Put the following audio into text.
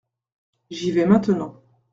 J’y vais maintenant.